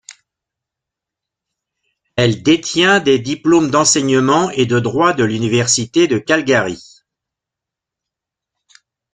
Elle détient des diplômes d'enseignement et de droit de l'Université de Calgary.